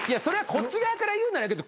それはこっち側から言うなら。